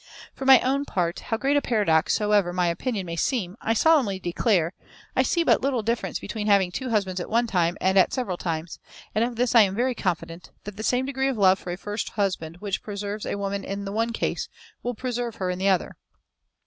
For my own part, how great a paradox soever my opinion may seem, I solemnly declare, I see but little difference between having two husbands at one time and at several times; and of this I am very confident, that the same degree of love for a first husband which preserves a woman in the one case will preserve her in the other.